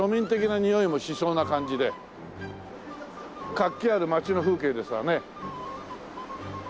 活気ある街の風景ですわね。